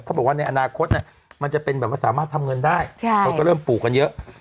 เขาบอกว่าในอนาคตมันจะเป็นแบบว่าสามารถทำเงินได้เขาก็เริ่มปลูกกันเยอะ